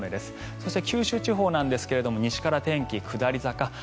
そして、九州地方ですが西から天気は下り坂。